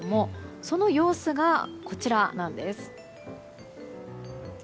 その様子がこちらなんです。